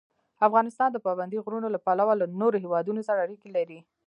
افغانستان د پابندی غرونه له پلوه له نورو هېوادونو سره اړیکې لري.